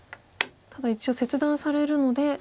ただ一応切断されるので。